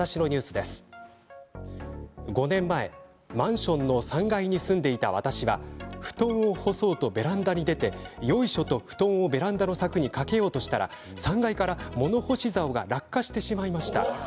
５年前マンションの３階に住んでいた私は布団を干そうとベランダに出てよいしょと布団をベランダの柵に掛けようとしたら３階から物干しざおが落下してしまいました。